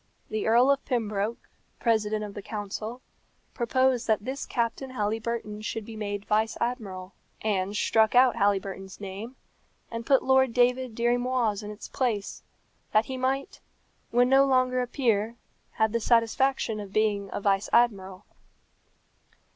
The Earl of Pembroke, President of the Council, proposed that this Captain Halyburton should be made vice admiral. Anne struck out Halyburton's name, and put Lord David Dirry Moir's in its place, that he might, when no longer a peer, have the satisfaction of being a vice admiral.